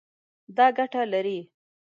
دا ګټه لري